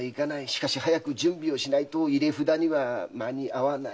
しかし早く準備をしないと入札には間に合わない。